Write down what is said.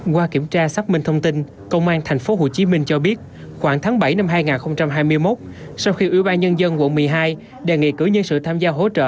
qua kiểm tra xác minh thông tin công an thành phố hồ chí minh cho biết khoảng tháng bảy năm hai nghìn hai mươi một sau khi ủy ban nhân dân quận một mươi hai đề nghị cử nhân sự tham gia hỗ trợ